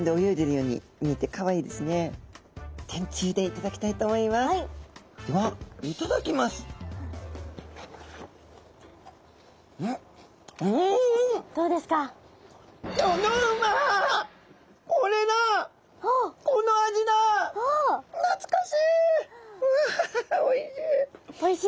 うわおいしい。